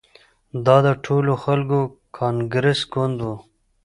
دا د ټولو خلکو کانګرس ګوند وو.